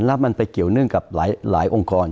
แล้วมันไปเกี่ยวเนื่องกับหลายองค์กร